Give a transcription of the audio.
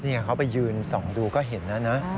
นี่เขาไปยืนส่องดูก็เห็นแล้วนะ